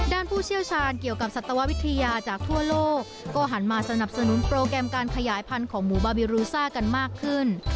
ผู้เชี่ยวชาญเกี่ยวกับสัตววิทยาจากทั่วโลกก็หันมาสนับสนุนโปรแกรมการขยายพันธุ์ของหมูบาบิรูซ่ากันมากขึ้น